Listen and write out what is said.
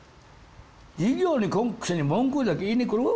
授業に来んくせに文句だけ言いに来る？